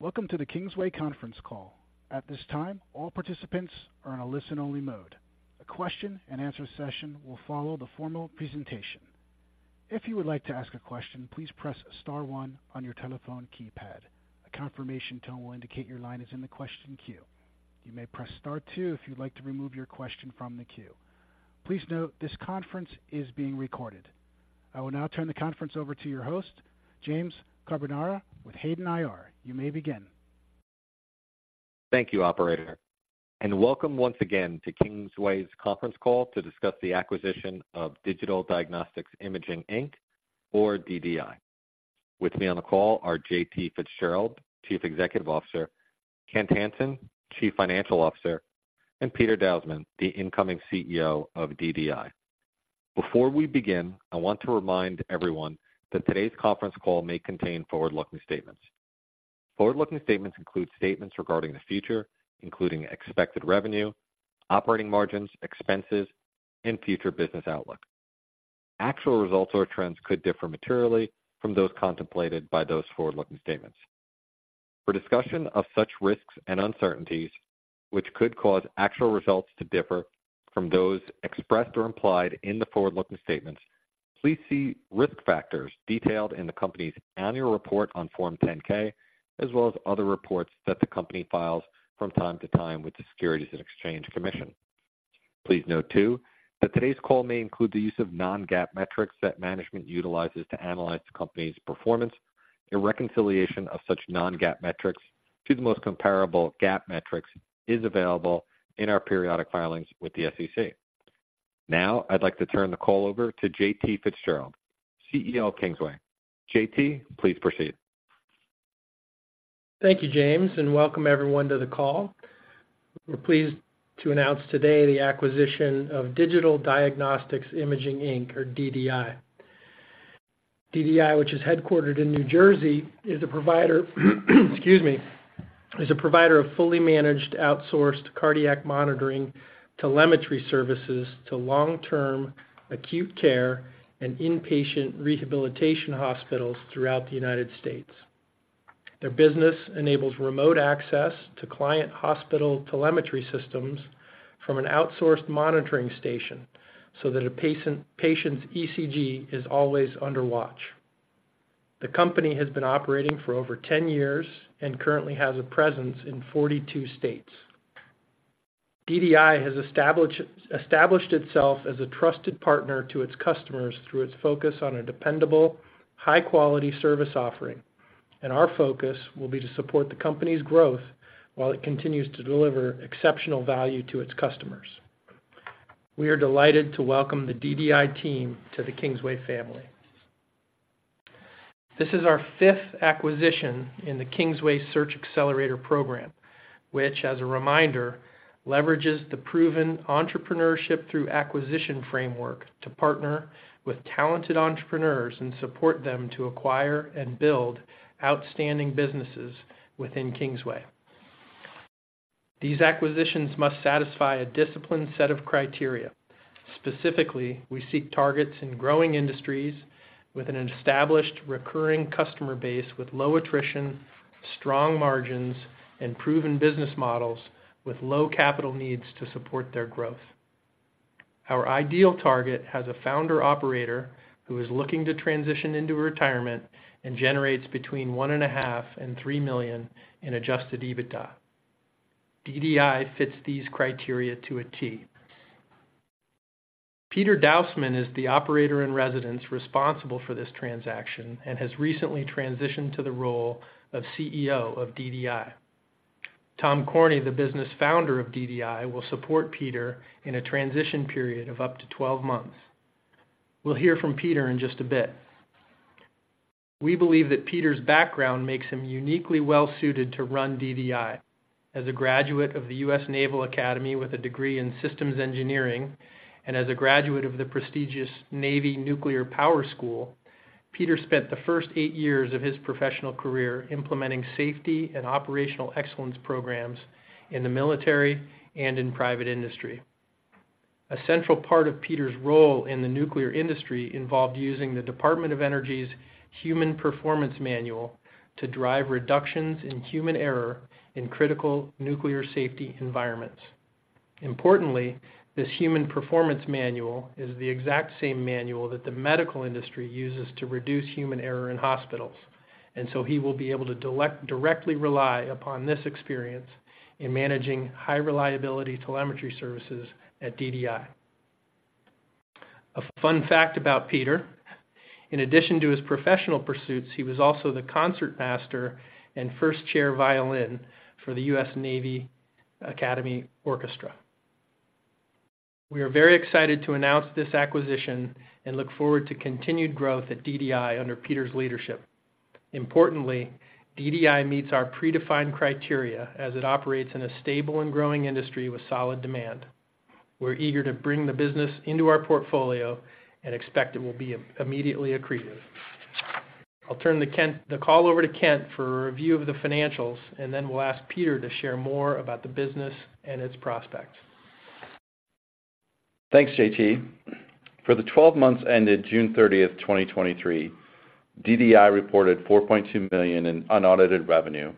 Welcome to the Kingsway conference call. At this time, all participants are in a listen-only mode. A question-and-answer session will follow the formal presentation. If you would like to ask a question, please press star one on your telephone keypad. A confirmation tone will indicate your line is in the question queue. You may press star two if you'd like to remove your question from the queue. Please note, this conference is being recorded. I will now turn the conference over to your host, James Carbonara, with Hayden IR. You may begin. Thank you, operator, and welcome once again to Kingsway's conference call to discuss the acquisition of Digital Diagnostics Imaging, Inc., or DDI. With me on the call are J.T. Fitzgerald, Chief Executive Officer, Kent Hansen, Chief Financial Officer, and Peter Dausman, the incoming CEO of DDI. Before we begin, I want to remind everyone that today's conference call may contain forward-looking statements. Forward-looking statements include statements regarding the future, including expected revenue, operating margins, expenses, and future business outlook. Actual results or trends could differ materially from those contemplated by those forward-looking statements. For discussion of such risks and uncertainties, which could cause actual results to differ from those expressed or implied in the forward-looking statements, please see risk factors detailed in the company's annual report on Form 10-K, as well as other reports that the company files from time to time with the Securities and Exchange Commission. Please note, too, that today's call may include the use of non-GAAP metrics that management utilizes to analyze the company's performance. A reconciliation of such non-GAAP metrics to the most comparable GAAP metrics is available in our periodic filings with the SEC. Now, I'd like to turn the call over to J.T. Fitzgerald, CEO of Kingsway. J.T., please proceed. Thank you, James, and welcome everyone to the call. We're pleased to announce today the acquisition of Digital Diagnostics Imaging, Inc., or DDI. DDI, which is headquartered in New Jersey, is a provider, excuse me, is a provider of fully managed, outsourced cardiac monitoring telemetry services to long-term acute care and inpatient rehabilitation hospitals throughout the United States. Their business enables remote access to client hospital telemetry systems from an outsourced monitoring station, so that a patient's ECG is always under watch. The company has been operating for over 10 years and currently has a presence in 42 states. DDI has established, established itself as a trusted partner to its customers through its focus on a dependable, high-quality service offering, and our focus will be to support the company's growth while it continues to deliver exceptional value to its customers. We are delighted to welcome the DDI team to the Kingsway family. This is our fifth acquisition in the Kingsway Search Xcelerator Program, which, as a reminder, leverages the proven entrepreneurship through acquisition framework to partner with talented entrepreneurs and support them to acquire and build outstanding businesses within Kingsway. These acquisitions must satisfy a disciplined set of criteria. Specifically, we seek targets in growing industries with an established recurring customer base, with low attrition, strong margins, and proven business models with low capital needs to support their growth. Our ideal target has a founder operator who is looking to transition into retirement and generates between $1.5 million-$3 million in Adjusted EBITDA. DDI fits these criteria to a T. Peter Dausman is the Operator-in-Residence responsible for this transaction and has recently transitioned to the role of CEO of DDI. Tom Corney, the business founder of DDI, will support Peter in a transition period of up to 12 months. We'll hear from Peter in just a bit. We believe that Peter's background makes him uniquely well-suited to run DDI. As a graduate of the U.S. Naval Academy with a degree in Systems Engineering and as a graduate of the prestigious Navy Nuclear Power School, Peter spent the first 8 years of his professional career implementing safety and operational excellence programs in the military and in private industry. A central part of Peter's role in the nuclear industry involved using the Department of Energy's Human Performance Manual to drive reductions in human error in critical nuclear safety environments. Importantly, this human performance manual is the exact same manual that the medical industry uses to reduce human error in hospitals, and so he will be able to directly rely upon this experience in managing high reliability telemetry services at DDI. A fun fact about Peter: In addition to his professional pursuits, he was also the concertmaster and first chair violin for the U.S. Naval Academy Orchestra. We are very excited to announce this acquisition and look forward to continued growth at DDI under Peter's leadership. Importantly, DDI meets our predefined criteria as it operates in a stable and growing industry with solid demand. We're eager to bring the business into our portfolio and expect it will be immediately accretive. I'll turn the call over to Kent for a review of the financials, and then we'll ask Peter to share more about the business and its prospects. Thanks, J.T. For the 12 months ended June 30, 2023, DDI reported $4.2 million in unaudited revenue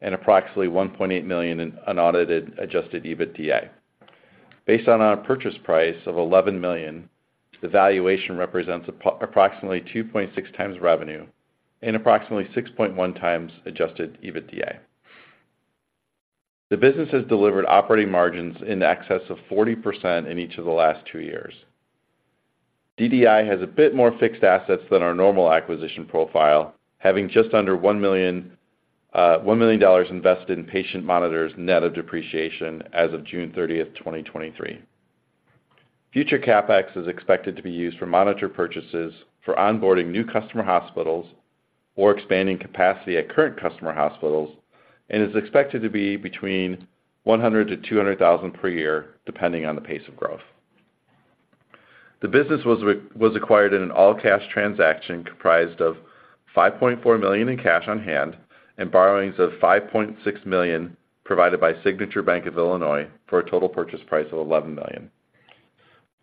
and approximately $1.8 million in unaudited adjusted EBITDA. Based on our purchase price of $11 million, the valuation represents approximately 2.6x revenue and approximately 6.1x Adjusted EBITDA. The business has delivered operating margins in excess of 40% in each of the last two years. DDI has a bit more fixed assets than our normal acquisition profile, having just under $1 million dollars invested in patient monitors, net of depreciation as of June 30, 2023. Future CapEx is expected to be used for monitor purchases for onboarding new customer hospitals or expanding capacity at current customer hospitals, and is expected to be between $100,000-$200,000 per year, depending on the pace of growth. The business was acquired in an all-cash transaction comprised of $5.4 million in cash on hand and borrowings of $5.6 million, provided by Signature Bank of Illinois, for a total purchase price of $11 million.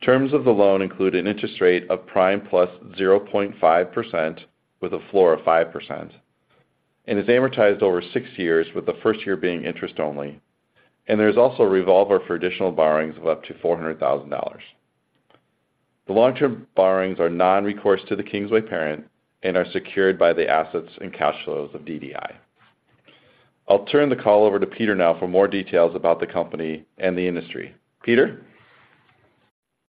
Terms of the loan include an interest rate of prime plus 0.5%, with a floor of 5%, and is amortized over six years, with the first year being interest only. There's also a revolver for additional borrowings of up to $400,000. The long-term borrowings are nonrecourse to the Kingsway parent and are secured by the assets and cash flows of DDI. I'll turn the call over to Peter now for more details about the company and the industry. Peter?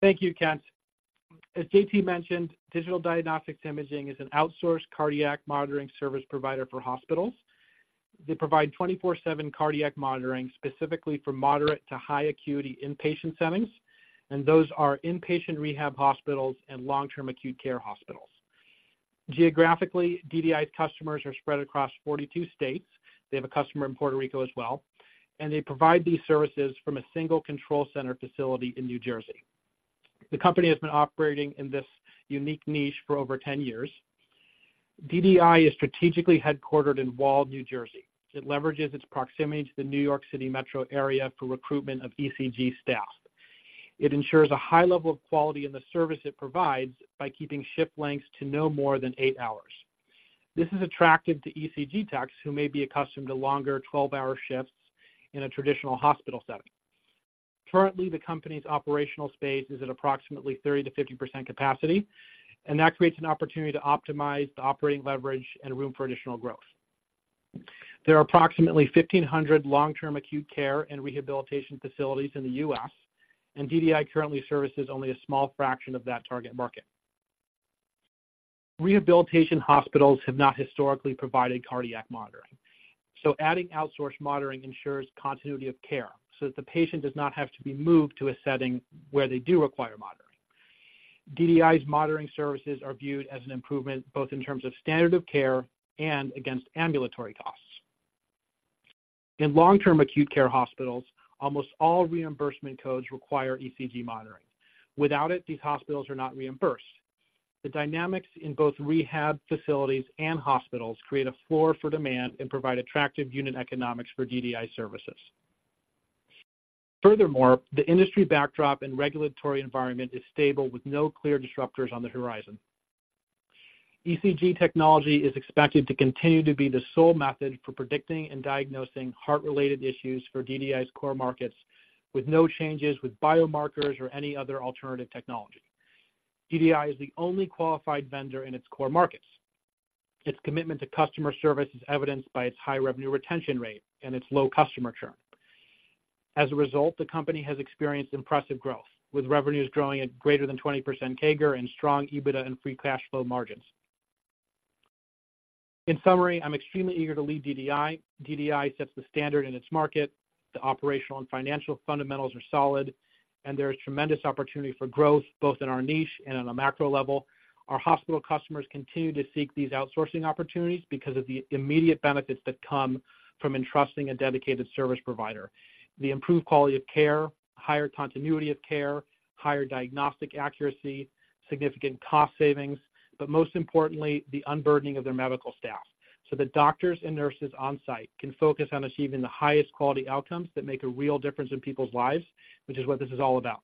Thank you, Kent. As J.T. mentioned, Digital Diagnostics Imaging is an outsourced cardiac monitoring service provider for hospitals. They provide 24/7 cardiac monitoring, specifically for moderate to high acuity inpatient settings, and those are inpatient rehab hospitals and long-term acute care hospitals. Geographically, DDI's customers are spread across 42 states. They have a customer in Puerto Rico as well, and they provide these services from a single control center facility in New Jersey. The company has been operating in this unique niche for over 10 years. DDI is strategically headquartered in Wall, New Jersey. It leverages its proximity to the New York City metro area for recruitment of ECG staff. It ensures a high level of quality in the service it provides by keeping shift lengths to no more than 8 hours. This is attractive to ECG techs, who may be accustomed to longer, 12-hour shifts in a traditional hospital setting. Currently, the company's operational space is at approximately 30%-50% capacity, and that creates an opportunity to optimize the operating leverage and room for additional growth. There are approximately 1,500 long-term acute care and rehabilitation facilities in the U.S., and DDI currently services only a small fraction of that target market. Rehabilitation hospitals have not historically provided cardiac monitoring, so adding outsourced monitoring ensures continuity of care, so that the patient does not have to be moved to a setting where they do require monitoring. DDI's monitoring services are viewed as an improvement, both in terms of standard of care and against ambulatory costs. In long-term acute care hospitals, almost all reimbursement codes require ECG monitoring. Without it, these hospitals are not reimbursed. The dynamics in both rehab facilities and hospitals create a floor for demand and provide attractive unit economics for DDI services. Furthermore, the industry backdrop and regulatory environment is stable, with no clear disruptors on the horizon. ECG technology is expected to continue to be the sole method for predicting and diagnosing heart-related issues for DDI's core markets, with no changes with biomarkers or any other alternative technology. DDI is the only qualified vendor in its core markets. Its commitment to customer service is evidenced by its high revenue retention rate and its low customer churn. As a result, the company has experienced impressive growth, with revenues growing at greater than 20% CAGR and strong EBITDA and free cash flow margins. In summary, I'm extremely eager to lead DDI. DDI sets the standard in its market, the operational and financial fundamentals are solid, and there is tremendous opportunity for growth, both in our niche and on a macro level. Our hospital customers continue to seek these outsourcing opportunities because of the immediate benefits that come from entrusting a dedicated service provider. The improved quality of care, higher continuity of care, higher diagnostic accuracy, significant cost savings, but most importantly, the unburdening of their medical staff, so the doctors and nurses on-site can focus on achieving the highest quality outcomes that make a real difference in people's lives, which is what this is all about.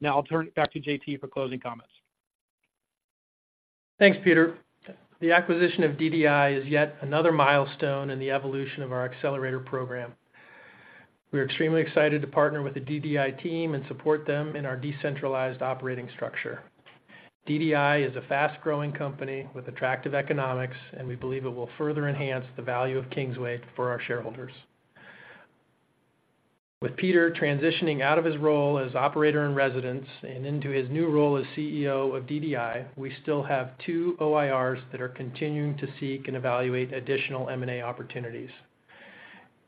Now I'll turn it back to J.T. for closing comments. Thanks, Peter. The acquisition of DDI is yet another milestone in the evolution of our accelerator program. We are extremely excited to partner with the DDI team and support them in our decentralized operating structure. DDI is a fast-growing company with attractive economics, and we believe it will further enhance the value of Kingsway for our shareholders. With Peter transitioning out of his role as Operator-in-Residence and into his new role as CEO of DDI, we still have two OIRs that are continuing to seek and evaluate additional M&A opportunities.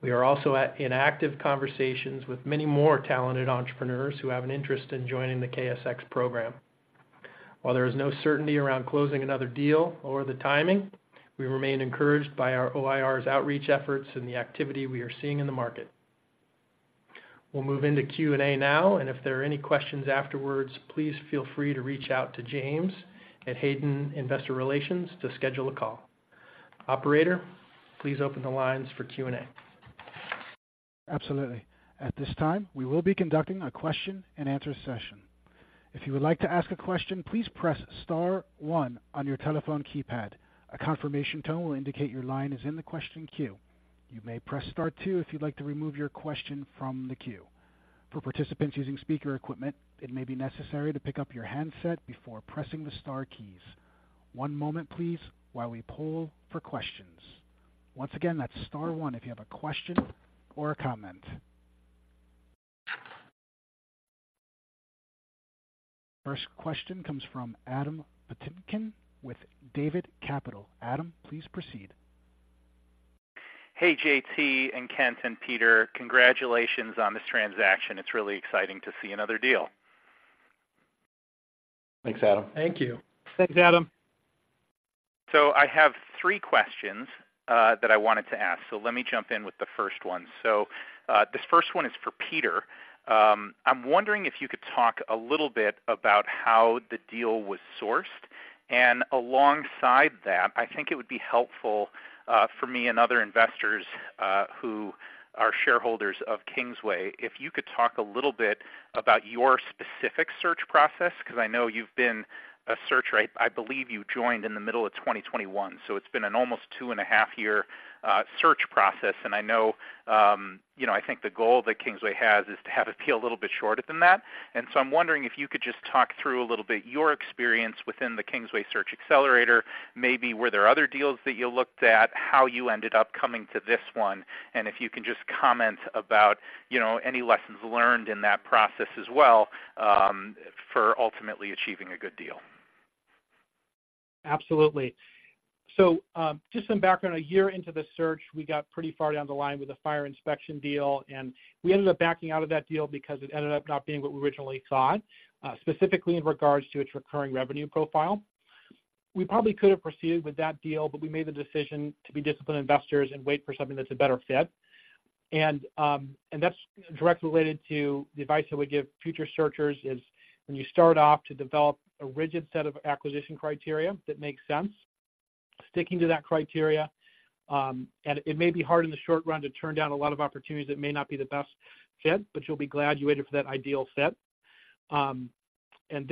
We are also in active conversations with many more talented entrepreneurs who have an interest in joining the KSX program. While there is no certainty around closing another deal or the timing, we remain encouraged by our OIR's outreach efforts and the activity we are seeing in the market. We'll move into Q&A now, and if there are any questions afterwards, please feel free to reach out to James at Hayden Investor Relations to schedule a call. Operator, please open the lines for Q&A. Absolutely. At this time, we will be conducting a question and answer session. If you would like to ask a question, please press star one on your telephone keypad. A confirmation tone will indicate your line is in the question queue. You may press star two if you'd like to remove your question from the queue. For participants using speaker equipment, it may be necessary to pick up your handset before pressing the star keys. One moment, please, while we poll for questions. Once again, that's star one if you have a question or a comment. First question comes from Adam Patinkin with David Capital. Adam, please proceed. Hey, J.T. and Kent and Peter, congratulations on this transaction. It's really exciting to see another deal. Thanks, Adam. Thank you. Thanks, Adam. I have three questions that I wanted to ask. Let me jump in with the first one. This first one is for Peter. I'm wondering if you could talk a little bit about how the deal was sourced, and alongside that, I think it would be helpful for me and other investors who are shareholders of Kingsway if you could talk a little bit about your specific search process, 'cause I know you've been a searcher, right? I believe you joined in the middle of 2021, so it's been an almost 2.5-year search process. I know you know I think the goal that Kingsway has is to have it be a little bit shorter than that. So I'm wondering if you could just talk through a little bit your experience within the Kingsway Search Xcelerator, maybe were there other deals that you looked at, how you ended up coming to this one, and if you can just comment about, you know, any lessons learned in that process as well, for ultimately achieving a good deal. Absolutely. So, just some background, a year into the search, we got pretty far down the line with a fire inspection deal, and we ended up backing out of that deal because it ended up not being what we originally thought, specifically in regards to its recurring revenue profile. We probably could have proceeded with that deal, but we made the decision to be disciplined investors and wait for something that's a better fit. And that's directly related to the advice that we give future searchers, is when you start off to develop a rigid set of acquisition criteria, that makes sense. Sticking to that criteria, and it may be hard in the short run to turn down a lot of opportunities that may not be the best fit, but you'll be glad you waited for that ideal set. And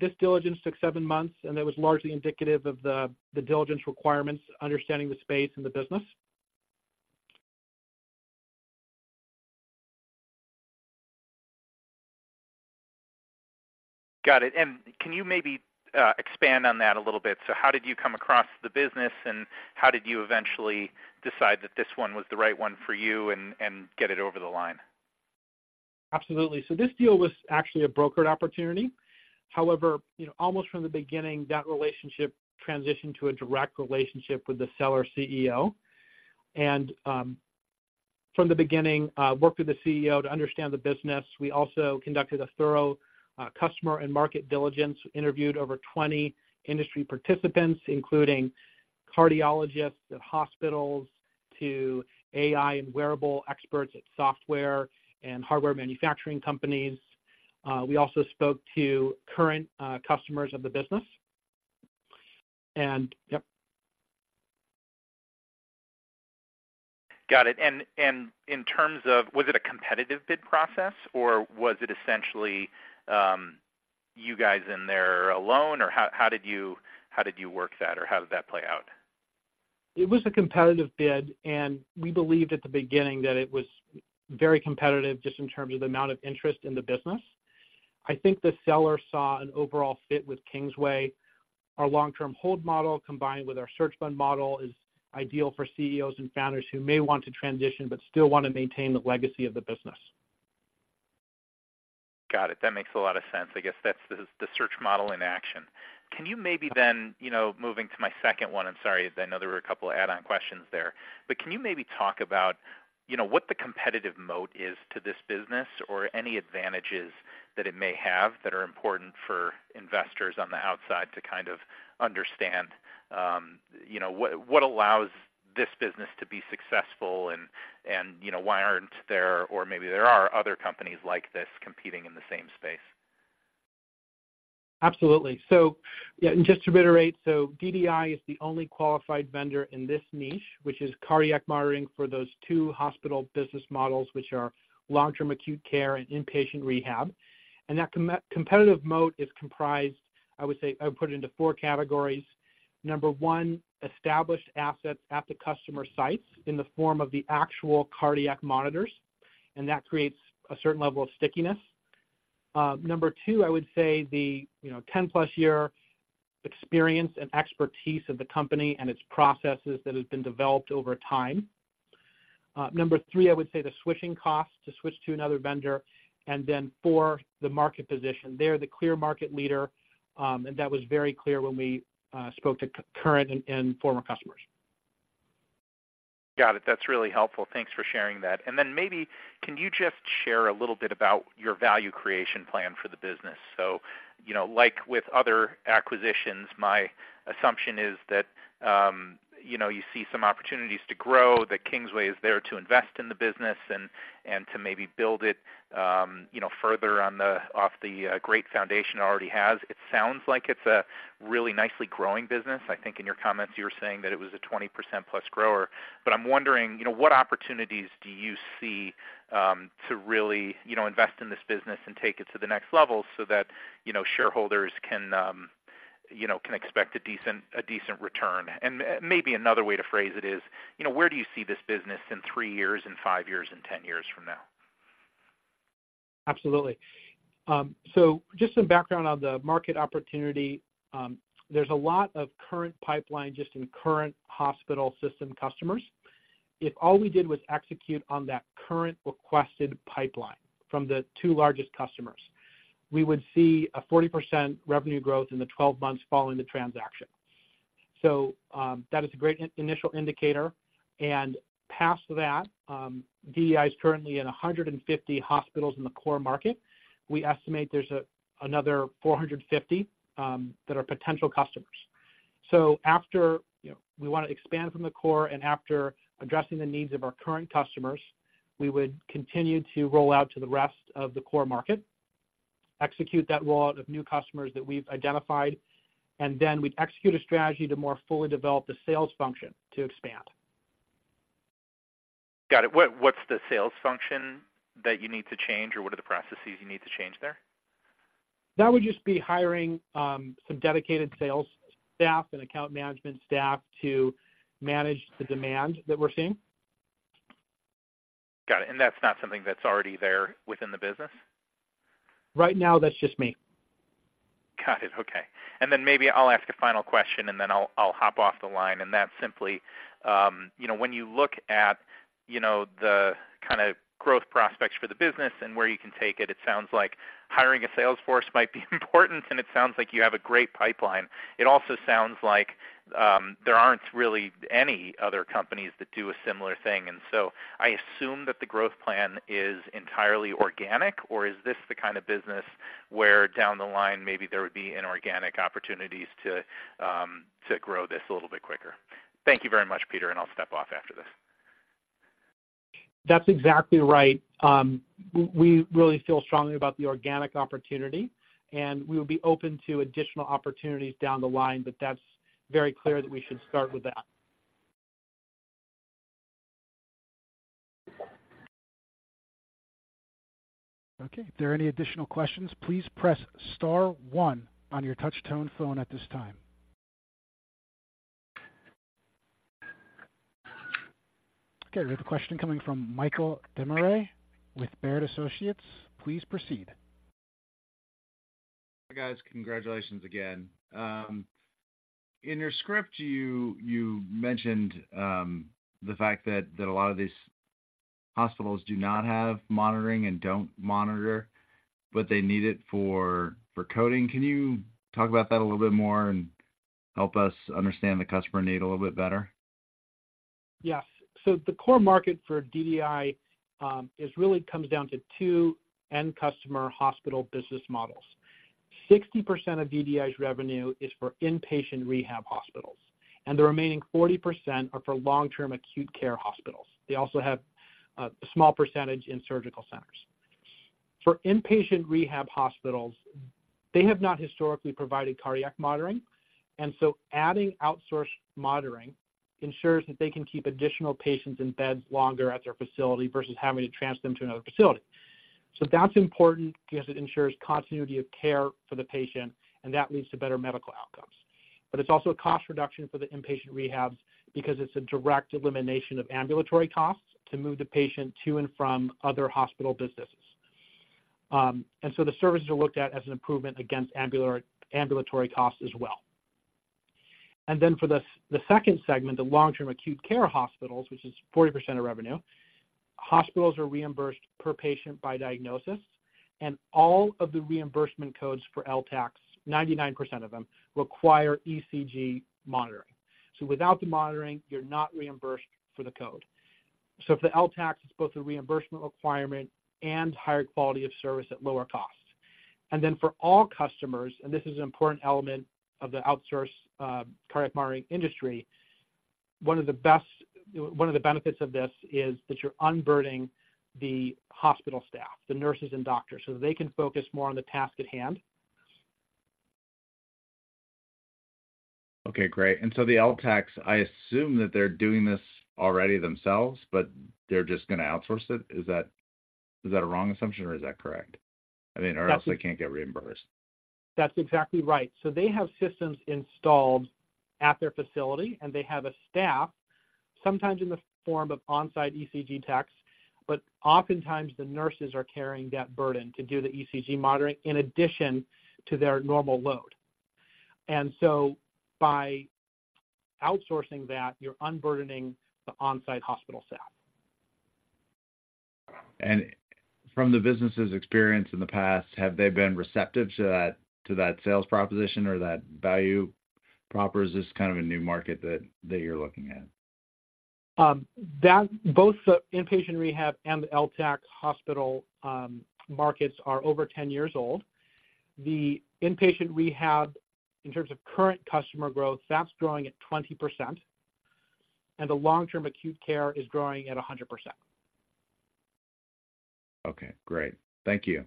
this diligence took 7 months, and that was largely indicative of the diligence requirements, understanding the space and the business. Got it. And can you maybe expand on that a little bit? So how did you come across the business, and how did you eventually decide that this one was the right one for you and get it over the line? Absolutely. So this deal was actually a brokered opportunity. However, you know, almost from the beginning, that relationship transitioned to a direct relationship with the seller CEO. And, from the beginning, worked with the CEO to understand the business. We also conducted a thorough, customer and market diligence, interviewed over 20 industry participants, including cardiologists at hospitals to AI and wearable experts at software and hardware manufacturing companies. We also spoke to current, customers of the business. And yep. Got it. And, and in terms of. Was it a competitive bid process, or was it essentially, you guys in there alone, or how, how did you, how did you work that, or how did that play out? It was a competitive bid, and we believed at the beginning that it was very competitive just in terms of the amount of interest in the business. I think the seller saw an overall fit with Kingsway. Our long-term hold model, combined with our Search Fund model, is ideal for CEOs and founders who may want to transition but still want to maintain the legacy of the business. Got it. That makes a lot of sense. I guess that's the search model in action. Can you maybe then, you know, moving to my second one, I'm sorry, I know there were a couple of add-on questions there. But can you maybe talk about, you know, what the competitive moat is to this business or any advantages that it may have that are important for investors on the outside to kind of understand? You know, what allows this business to be successful and, you know, why aren't there, or maybe there are other companies like this competing in the same space? Absolutely. So, yeah, and just to reiterate, so DDI is the only qualified vendor in this niche, which is cardiac monitoring for those two hospital business models, which are long-term acute care and inpatient rehab. And that competitive moat is comprised, I would say, I would put it into four categories. Number one, established assets at the customer sites in the form of the actual cardiac monitors, and that creates a certain level of stickiness. Number two, I would say the, you know, 10+ year experience and expertise of the company and its processes that have been developed over time. Number three, I would say the switching costs to switch to another vendor, and then four, the market position. They're the clear market leader, and that was very clear when we spoke to current and former customers. Got it. That's really helpful. Thanks for sharing that. And then maybe, can you just share a little bit about your value creation plan for the business? So, you know, like with other acquisitions, my assumption is that, you know, you see some opportunities to grow, that Kingsway is there to invest in the business and, and to maybe build it, you know, further on the, off the, great foundation it already has. It sounds like it's a really nicely growing business. I think in your comments, you were saying that it was a 20%+ grower. But I'm wondering, you know, what opportunities do you see, to really, you know, invest in this business and take it to the next level so that, you know, shareholders can, you know, can expect a decent, a decent return? Maybe another way to phrase it is, you know, where do you see this business in 3 years, in 5 years, and 10 years from now? Absolutely. So just some background on the market opportunity. There's a lot of current pipeline just in current hospital system customers. If all we did was execute on that current requested pipeline from the two largest customers, we would see a 40% revenue growth in the 12 months following the transaction. So, that is a great initial indicator, and past that, DDI is currently in 150 hospitals in the core market. We estimate there's another 450 that are potential customers. So after, you know, we wanna expand from the core, and after addressing the needs of our current customers, we would continue to roll out to the rest of the core market, execute that rollout of new customers that we've identified, and then we'd execute a strategy to more fully develop the sales function to expand. Got it. What, what's the sales function that you need to change, or what are the processes you need to change there? That would just be hiring some dedicated sales staff and account management staff to manage the demand that we're seeing. Got it. And that's not something that's already there within the business? Right now, that's just me. Got it. Okay. And then maybe I'll ask a final question, and then I'll hop off the line, and that's simply, you know, when you look at, you know, the kinda growth prospects for the business and where you can take it, it sounds like hiring a sales force might be important, and it sounds like you have a great pipeline. It also sounds like there aren't really any other companies that do a similar thing, and so I assume that the growth plan is entirely organic, or is this the kind of business where down the line, maybe there would be inorganic opportunities to grow this a little bit quicker? Thank you very much, Peter, and I'll step off after this. That's exactly right. We really feel strongly about the organic opportunity, and we will be open to additional opportunities down the line, but that's very clear that we should start with that. Okay. If there are any additional questions, please press star one on your touch tone phone at this time. Okay, we have a question coming from Michael Desmarais with Baird Associates. Please proceed. Hi, guys. Congratulations again. In your script, you mentioned the fact that a lot of these hospitals do not have monitoring and don't monitor, but they need it for coding. Can you talk about that a little bit more and help us understand the customer need a little bit better? Yes. So the core market for DDI is really comes down to two end customer hospital business models. 60% of DDI's revenue is for inpatient rehab hospitals, and the remaining 40% are for long-term acute care hospitals. They also have a small percentage in surgical centers. For inpatient rehab hospitals, they have not historically provided cardiac monitoring, and so adding outsourced monitoring ensures that they can keep additional patients in beds longer at their facility versus having to transfer them to another facility. So that's important because it ensures continuity of care for the patient, and that leads to better medical outcomes. But it's also a cost reduction for the inpatient rehabs because it's a direct elimination of ambulatory costs to move the patient to and from other hospital businesses. And so the services are looked at as an improvement against ambulatory costs as well. And then for the the second segment, the long-term acute care hospitals, which is 40% of revenue, hospitals are reimbursed per patient by diagnosis, and all of the reimbursement codes for LTACs, 99% of them, require ECG monitoring. So without the monitoring, you're not reimbursed for the code. So for the LTACs, it's both a reimbursement requirement and higher quality of service at lower cost. And then for all customers, and this is an important element of the outsource, cardiac monitoring industry, one of the best, one of the benefits of this is that you're unburdening the hospital staff, the nurses and doctors, so they can focus more on the task at hand. Okay, great. And so the LTACs, I assume that they're doing this already themselves, but they're just gonna outsource it. Is that, is that a wrong assumption, or is that correct? I mean, or else they can't get reimbursed. That's exactly right. They have systems installed at their facility, and they have a staff, sometimes in the form of on-site ECG techs, but oftentimes the nurses are carrying that burden to do the ECG monitoring in addition to their normal load. By outsourcing that, you're unburdening the on-site hospital staff. From the business's experience in the past, have they been receptive to that, to that sales proposition or that value proposition, or is this kind of a new market that, that you're looking at? That both the inpatient rehab and the LTAC hospital markets are over 10 years old. The inpatient rehab, in terms of current customer growth, that's growing at 20%, and the long-term acute care is growing at 100%. Okay, great. Thank you.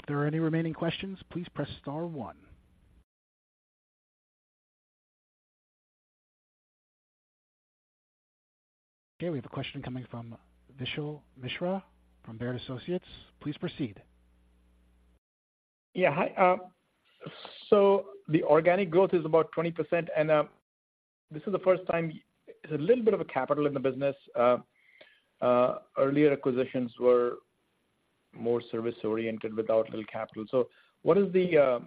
If there are any remaining questions, please press star one. Okay, we have a question coming from Vishal Mishra from Baird Associates. Please proceed. Yeah, hi. So the organic growth is about 20%, and this is the first time there's a little bit of a capital in the business. Earlier acquisitions were more service-oriented without real capital. So what is the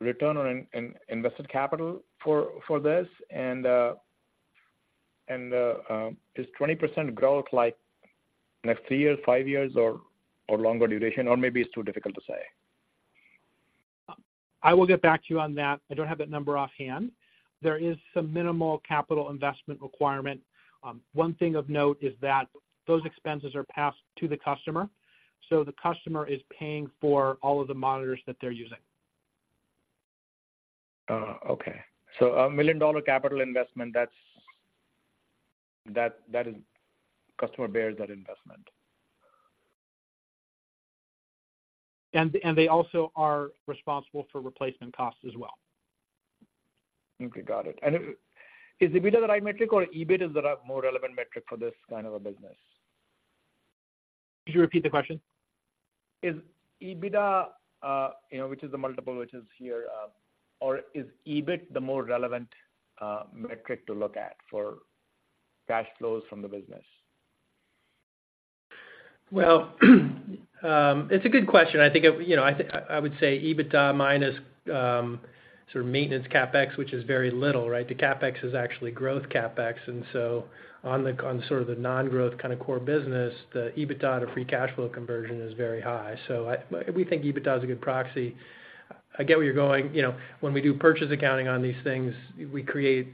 return on invested capital for this? And is 20% growth like next three years, five years, or longer duration, or maybe it's too difficult to say? I will get back to you on that. I don't have that number offhand. There is some minimal capital investment requirement. One thing of note is that those expenses are passed to the customer, so the customer is paying for all of the monitors that they're using. Okay. So a $1 million capital investment, that's that the customer bears that investment. They also are responsible for replacement costs as well. Okay, got it. And is EBITDA the right metric, or EBIT is the more relevant metric for this kind of a business? Could you repeat the question? Is EBITDA, you know, which is the multiple, which is here, or is EBIT the more relevant metric to look at for cash flows from the business? Well, it's a good question. I think, you know, I think I would say EBITDA minus, sort of maintenance CapEx, which is very little, right? The CapEx is actually growth CapEx, and so on sort of the non-growth kind of core business, the EBITDA to free cash flow conversion is very high. So we think EBITDA is a good proxy. I get where you're going. You know, when we do purchase accounting on these things, we create,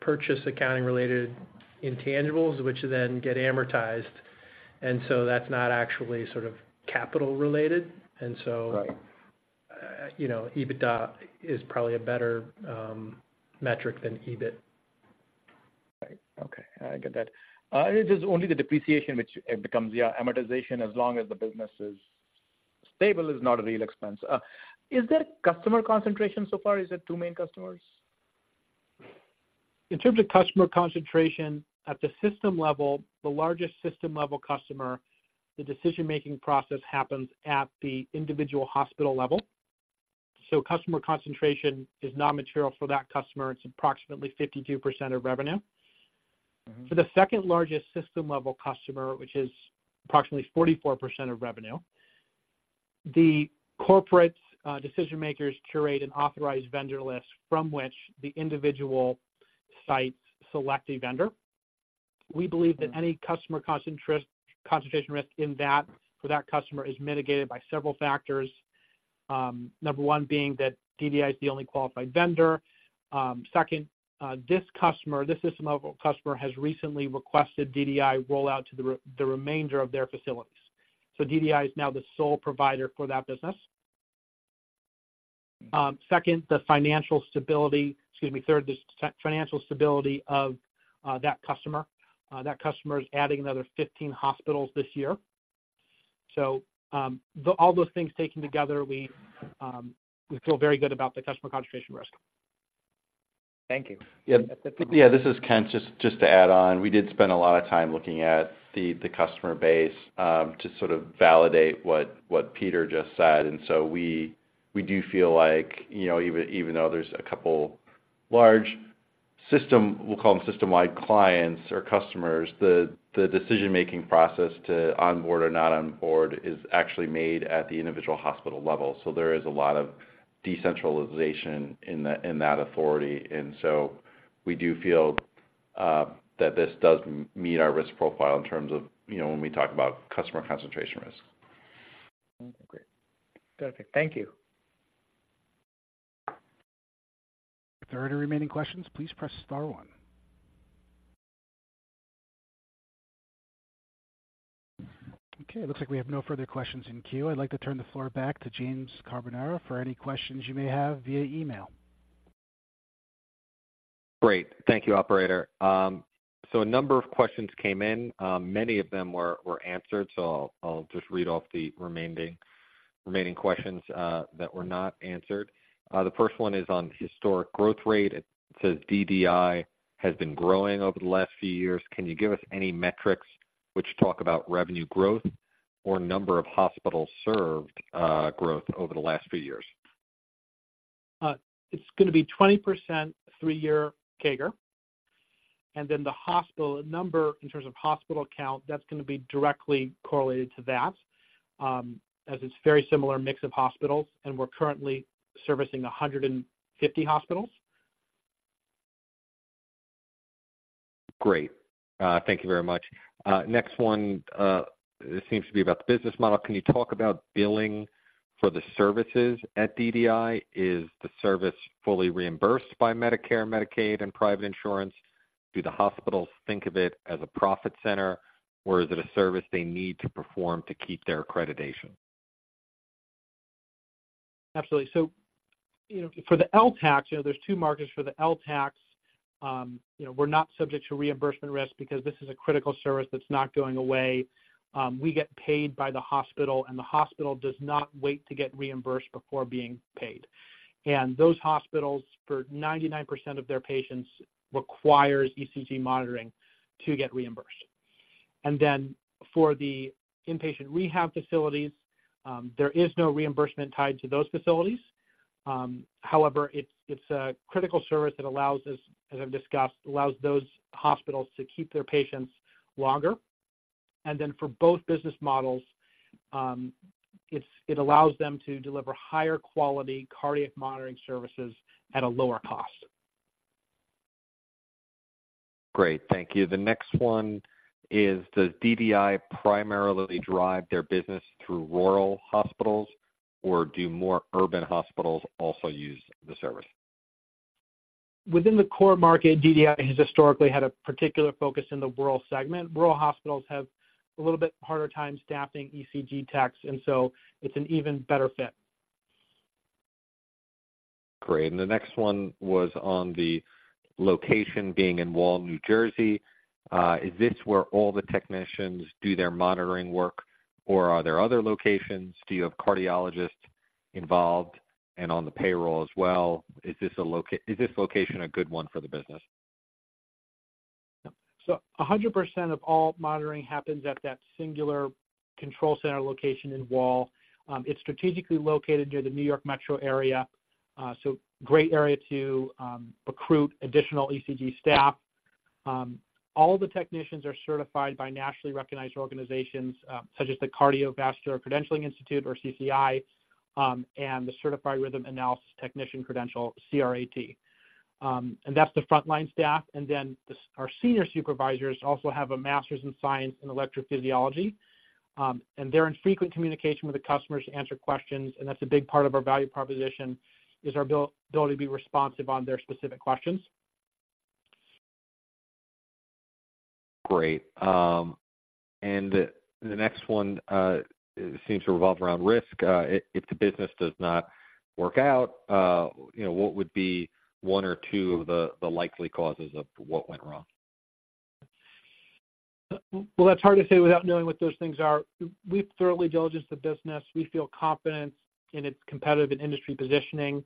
purchase accounting-related intangibles, which then get amortized, and so that's not actually sort of capital related. And so- Right. You know, EBITDA is probably a better metric than EBIT. Right. Okay, I get that. It is only the depreciation which it becomes the amortization as long as the business is stable, is not a real expense. Is there customer concentration so far? Is it two main customers? In terms of customer concentration, at the system level, the largest system-level customer, the decision-making process happens at the individual hospital level. So customer concentration is not material for that customer. It's approximately 52% of revenue. For the second largest system-level customer, which is approximately 44% of revenue, the corporate decision makers curate an authorized vendor list from which the individual sites select a vendor. We believe that any customer concentration risk in that, for that customer is mitigated by several factors. Number one being that DDI is the only qualified vendor. Second, this customer, this system-level customer, has recently requested DDI roll out to the remainder of their facilities. So DDI is now the sole provider for that business. Second, the financial stability, excuse me, third, the financial stability of that customer. That customer is adding another 15 hospitals this year. All those things taken together, we feel very good about the customer concentration risk. Thank you. Yeah. Yeah, this is Kent. Just to add on, we did spend a lot of time looking at the customer base to sort of validate what Peter just said. And so we do feel like, you know, even though there's a couple large system, we'll call them system-wide clients or customers, the decision-making process to onboard or not onboard is actually made at the individual hospital level. So there is a lot of decentralization in that authority. And so we do feel that this does meet our risk profile in terms of, you know, when we talk about customer concentration risk. Okay, great. Perfect. Thank you. If there are any remaining questions, please press star one. Okay, it looks like we have no further questions in queue. I'd like to turn the floor back to James Carbonara for any questions you may have via email. Great. Thank you, operator. So a number of questions came in. Many of them were answered, so I'll just read off the remaining questions that were not answered. The first one is on historic growth rate. It says DDI has been growing over the last few years. Can you give us any metrics which talk about revenue growth or number of hospitals served growth over the last few years? It's gonna be 20% three-year CAGR, and then the hospital number, in terms of hospital count, that's gonna be directly correlated to that, as it's very similar mix of hospitals, and we're currently servicing 150 hospitals. Great. Thank you very much. Next one, this seems to be about the business model. Can you talk about billing for the services at DDI? Is the service fully reimbursed by Medicare, Medicaid, and private insurance? Do the hospitals think of it as a profit center, or is it a service they need to perform to keep their accreditation? Absolutely. So, you know, for the LTAC, you know, there's two markets for the LTAC. You know, we're not subject to reimbursement risk because this is a critical service that's not going away. We get paid by the hospital, and the hospital does not wait to get reimbursed before being paid. And those hospitals, for 99% of their patients, requires ECG monitoring to get reimbursed. And then for the inpatient rehab facilities, there is no reimbursement tied to those facilities. However, it's a critical service that allows us, as I've discussed, allows those hospitals to keep their patients longer. And then for both business models, it allows them to deliver higher quality cardiac monitoring services at a lower cost. Great. Thank you. The next one: Is the DDI primarily drive their business through rural hospitals, or do more urban hospitals also use the service? Within the core market, DDI has historically had a particular focus in the rural segment. Rural hospitals have a little bit harder time staffing ECG techs, and so it's an even better fit. Great. And the next one was on the location being in Wall, New Jersey. Is this where all the technicians do their monitoring work, or are there other locations? Do you have cardiologists involved and on the payroll as well? Is this location a good one for the business? 100% of all monitoring happens at that singular control center location in Wall. It's strategically located near the New York metro area, so great area to recruit additional ECG staff. All the technicians are certified by nationally recognized organizations, such as the Cardiovascular Credentialing International or CCI, and the Certified Rhythm Analysis Technician credential, CRAT. And that's the frontline staff, and then our senior supervisors also have a master's in science and electrophysiology. And they're in frequent communication with the customers to answer questions, and that's a big part of our value proposition, is our ability to be responsive on their specific questions. Great. And the next one seems to revolve around risk. If the business does not work out, you know, what would be one or two of the likely causes of what went wrong? Well, that's hard to say without knowing what those things are. We've thoroughly diligenced the business. We feel confident in its competitive and industry positioning.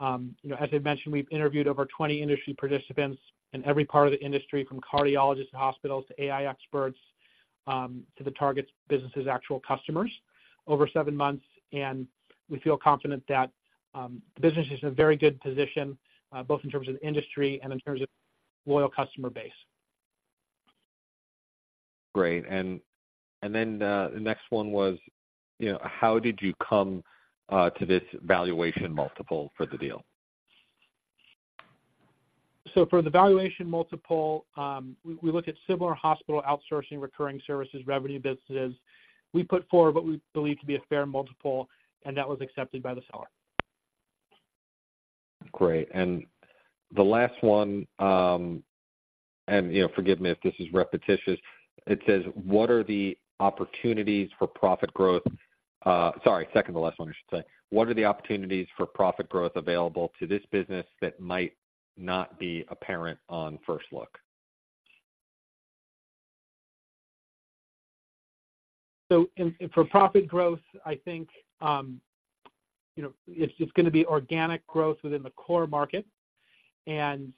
You know, as I mentioned, we've interviewed over 20 industry participants in every part of the industry, from cardiologists to hospitals to AI experts, to the targets businesses' actual customers, over seven months. And we feel confident that the business is in a very good position, both in terms of industry and in terms of loyal customer base. Great. And then, the next one was, you know, how did you come to this valuation multiple for the deal? For the valuation multiple, we looked at similar hospital outsourcing, recurring services, revenue businesses. We put forward what we believe to be a fair multiple, and that was accepted by the seller. Great. And the last one, you know, forgive me if this is repetitious. It says, what are the opportunities for profit growth? Sorry, second to last one, I should say. What are the opportunities for profit growth available to this business that might not be apparent on first look? So in profit growth, I think, you know, it's just gonna be organic growth within the core market, and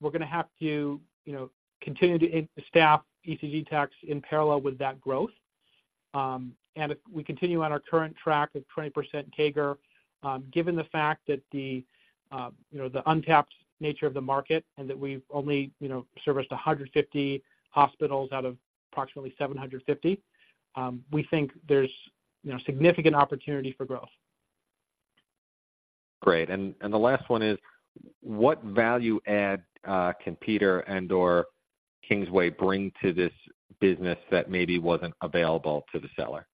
we're gonna have to, you know, continue to staff ECG techs in parallel with that growth. If we continue on our current track of 20% CAGR, given the fact that the, you know, the untapped nature of the market and that we've only, you know, serviced 150 hospitals out of approximately 750, we think there's, you know, significant opportunity for growth. Great. And the last one is: What value add can Peter and/or Kingsway bring to this business that maybe wasn't available to the seller?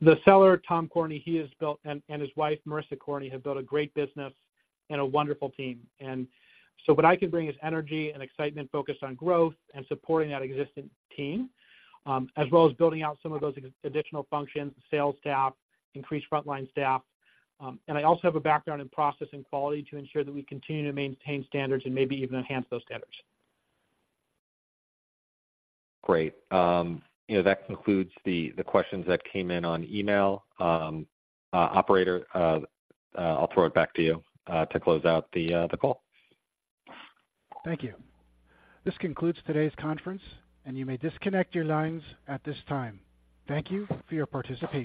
The seller, Tom Corney, he has built, and his wife, Marissa Corney, have built a great business and a wonderful team. So what I can bring is energy and excitement, focused on growth and supporting that existing team, as well as building out some of those additional functions, sales staff, increased frontline staff. I also have a background in processing quality to ensure that we continue to maintain standards and maybe even enhance those standards. Great. You know, that concludes the questions that came in on email. Operator, I'll throw it back to you to close out the call. Thank you. This concludes today's conference, and you may disconnect your lines at this time. Thank you for your participation.